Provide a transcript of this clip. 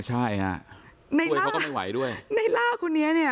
ใช่ฮะเพราะเขาก็ไม่ไหวด้วยในร่าคุณเนี้ยเนี้ย